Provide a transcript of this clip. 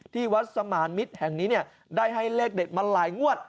ที่วัดสมานมิตรแห่งนี้ได้ให้เลขเด็ดมาหลายงวด